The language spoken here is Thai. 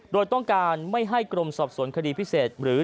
โดยต้องการไม่ให้กรมสอบสวนคดีพิเศษหรือ